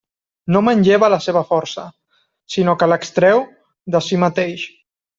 No manlleva la seva força, sinó que l'extrau de si mateix.